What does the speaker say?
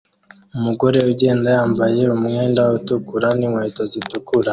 Umugore ugenda yambaye umwenda utukura n'inkweto zitukura